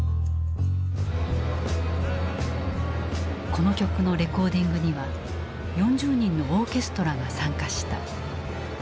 この曲のレコーディングには４０人のオーケストラが参加した。